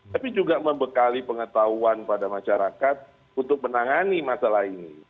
tapi juga membekali pengetahuan pada masyarakat untuk menangani masalah ini